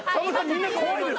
みんな怖いです。